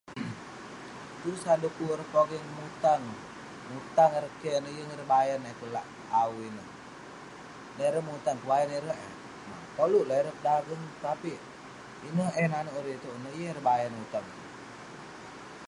Pun sat dekuk ireh pogeng mutang. Mutang ireh keh ineh yeng ireh bayan eh kelak awu ineh. Dan ireh mutang kebayan ireh eh, koluk lah ireh pedageng. Tapik ineh eh nanouk ireh itouk ineh, yeng ireh bayan utang.